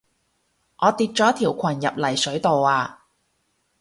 我跌咗條裙入泥水度啊